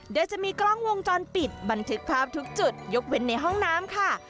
โดยจะมีกล้องวงจรปิดบันทึกภาพทุกจุดยกเว้นในห้องน้ำค่ะ